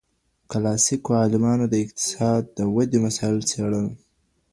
کلاسيکو عالمانو د اقتصاد د ودې مسايل څېړل.